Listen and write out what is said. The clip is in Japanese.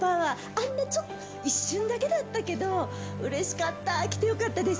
あんなちょっと一瞬だけだったけど、うれしかった、来てよかったです。